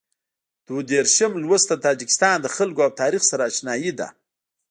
دوه دېرشم لوست د تاجکستان له خلکو او تاریخ سره اشنايي ده.